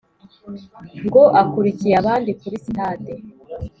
ngo akurikiye abandi kuri sitade,